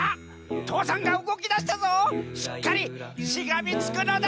父山がうごきだしたぞしっかりしがみつくのだ！